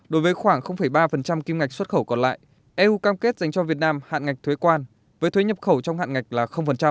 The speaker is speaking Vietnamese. đối với khoảng ba kim ngạch xuất khẩu còn lại eu cam kết dành cho việt nam hạn ngạch thuế quan với thuế nhập khẩu trong hạn ngạch là